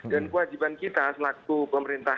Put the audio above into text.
dan kewajiban kita selaku pemerintah